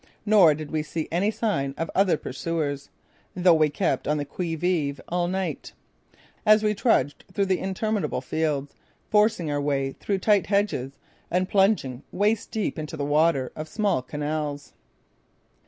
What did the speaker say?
Nor did we see any sign of other pursuers, though we kept on the qui vive all night, as we trudged through the interminable fields, forcing our way through tight hedges and plunging waist deep into the water of small canals.